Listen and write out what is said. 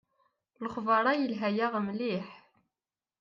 Lexber-a yelha-yaɣ mliḥ.